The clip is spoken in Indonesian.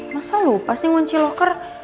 masa lupa sih ngenci locker